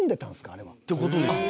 あれは。って事ですよね。